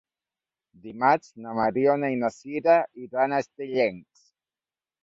Dimarts na Mariona i na Sira iran a Estellencs.